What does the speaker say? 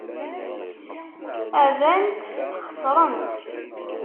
Rnant xesrent.